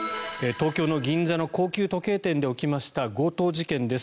東京の銀座の高級時計店で起きました強盗事件です。